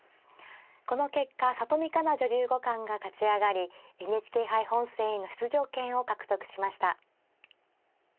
この結果里見香奈女流五冠が勝ち上がりＮＨＫ杯本戦への出場権を獲得しました。